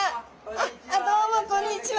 あどうもこんにちは。